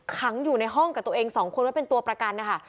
ขังอยู่ในห้องกับตัวเองสองคนไว้เป็นตัวประกันนะคะ